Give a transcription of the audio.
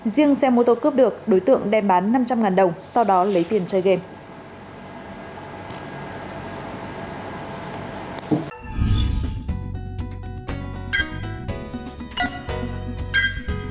riêng xe mô tô cướp được đối tượng đem bán năm trăm linh đồng sau đó lấy tiền chơi game